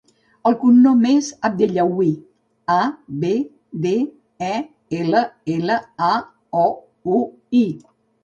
El cognom és Abdellaoui: a, be, de, e, ela, ela, a, o, u, i.